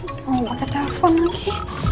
aduh mau pake telepon lagi